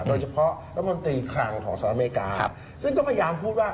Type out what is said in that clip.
โดยเฉพาะรัฐมนตรีคลังของสหรัฐอเมริกาซึ่งก็พยายามพูดว่า